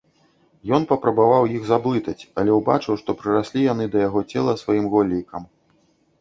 Ён папрабаваў іх заблытаць, але ўбачыў, што прыраслі яны да яго цела сваім голлейкам.